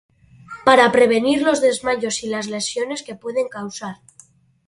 Para prevenir los desmayos y las lesiones que pueden causar